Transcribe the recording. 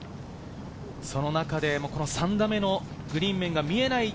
その中で３打目のグリーン面が見えない